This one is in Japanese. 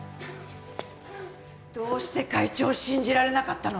どうして会長を信じられなかったの！